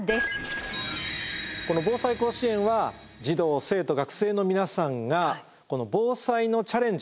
この「ぼうさい甲子園」は児童生徒学生の皆さんが防災のチャレンジ